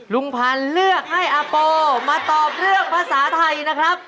ลุงพันธ์เลือกให้อาโปมาตอบเรื่องภาษาไทยนะครับ